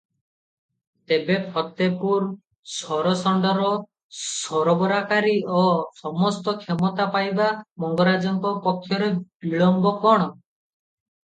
ତେବେ ଫତେପୂର ସରଷଣ୍ତର ସରବରାକାରୀ ଓ ସମସ୍ତ କ୍ଷମତା ପାଇବା ମଙ୍ଗରାଜଙ୍କ ପକ୍ଷରେ ବିଳମ୍ବ କଣ?